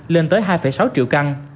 lên tới hai sáu triệu căn